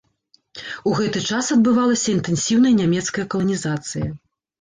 У гэты час адбывалася інтэнсіўная нямецкая каланізацыя.